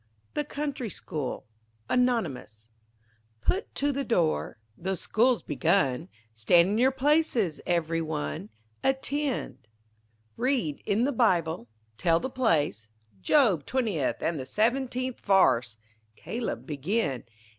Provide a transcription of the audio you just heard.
THE COUNTRY SCHOOL ANONYMOUS Put to the door the school's begun Stand in your places every one, Attend, Read in the Bible, tell the place, Job twentieth and the seventeenth varse Caleb, begin.